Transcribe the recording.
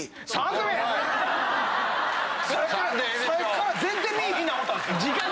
さっきから全然見いひんな思ったんですよ。